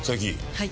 はい。